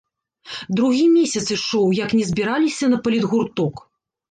Другі месяц ішоў, як не збіраліся на палітгурток.